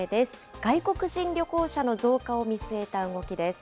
外国人旅行者の増加を見据えた動きです。